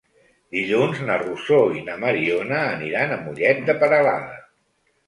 Dilluns na Rosó i na Mariona aniran a Mollet de Peralada.